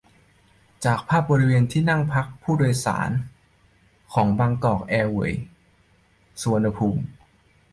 ภาพจากบริเวณที่นั่งพักผู้โดยสารของบางกอกแอร์เวยส์ สุวรรณภูมิ